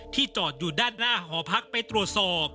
จอดอยู่ด้านหน้าหอพักไปตรวจสอบ